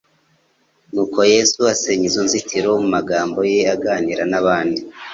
Nuko Yesu asenya izo nzitiro. Mu magambo ye aganira n'abandi,